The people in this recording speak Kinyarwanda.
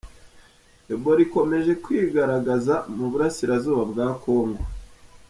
Ebola ikomeje kwigaragaza mu Burasirazuba bwa kongo